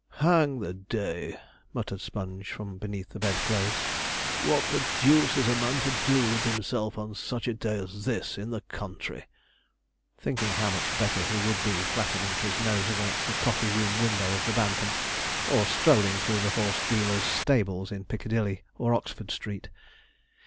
'Hang the day!' muttered Sponge from beneath the bedclothes. 'What the deuce is a man to do with himself on such a day as this, in the country?' thinking how much better he would be flattening his nose against the coffee room window of the Bantam, or strolling through the horse dealers' stables in Piccadilly or Oxford Street.